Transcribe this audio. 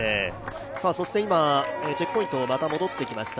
今、チェックポイントをまた戻ってきました。